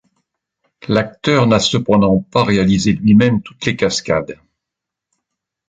L'acteur n'a cependant pas réalisé lui-même toutes les cascades.